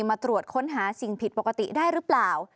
มาตรวจค้นหาสิ่งผิดปกติได้หรือเปล่า